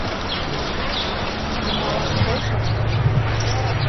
Нумалаш полшыза.